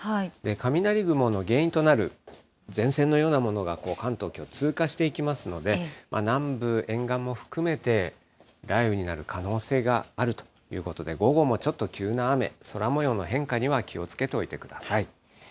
雷雲の原因となる前線のようなものが関東、きょう、通過していきますので、南部沿岸も含めて、雷雨になる可能性があるということで、午後もちょっと急な雨、空もようの変化には気をつけておいてください。